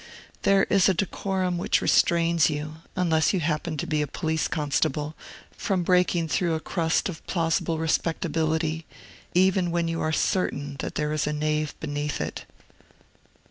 There is a decorum which restrains you (unless you happen to be a police constable) from breaking through a crust of plausible respectability, even when you are certain that there is a knave beneath it.